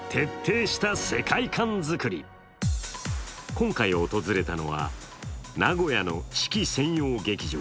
今回、訪れたのは名古屋の四季専用劇場。